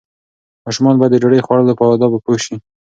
ماشومان باید د ډوډۍ خوړلو په آدابو پوه شي.